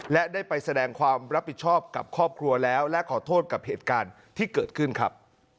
และได้ไปแสดงความรับผิดชอบกับครอบครัวแล้วและขอโทษกับเหตุการณ์ที่เกิดขึ้นครับ